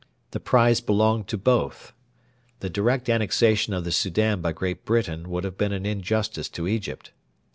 The prize belonged to both. The direct annexation of the Soudan by Great Britain would have been an injustice to Egypt.